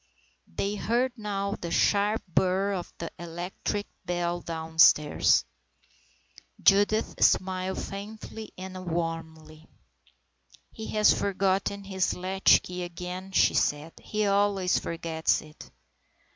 They heard now the sharp burr of the electric bell downstairs. Judith smiled faintly and wanly. " He has forgotten his latchkey again," she said. " He always forgets it."